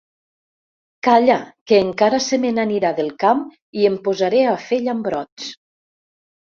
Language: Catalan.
Calla, que encara se me n'anirà del camp i em posaré a fer llambrots.